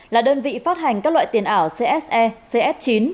là đơn vị phát hành các loại tiền ảo cse cf chín